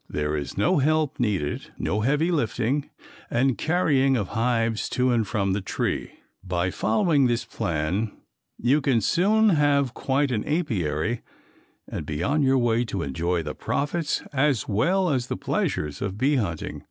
There is no help needed; no heavy lifting and carrying of hives to and from the tree. By following this plan you can soon have quite an apiary and be on your way to enjoy the profits as well as the pleasures of bee hunting.